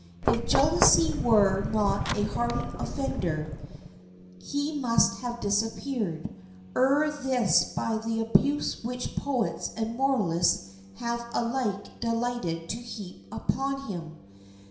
If jealousy were not a hardened offender, he must have disappeared ere this by the abuse which poets and moralists have alike delighted to heap upon him.